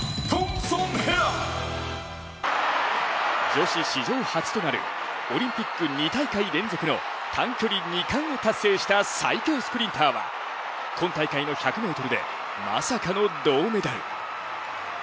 女子史上初となるオリンピック２大会連続の短距離２冠を達成した最強スプリンターは今大会の１００ｍで、まさかの銅メダル。